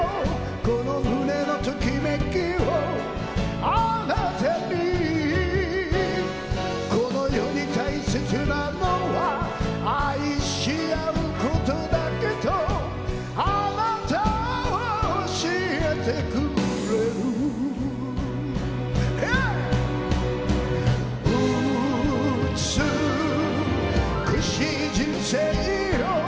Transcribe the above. この胸のときめきをあなたにこの世に大切なのは愛し合うことだけとあなたはおしえてくれる美しい人生よ